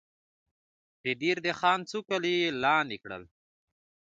د دیر د خان څو کلي یې لاندې کړل.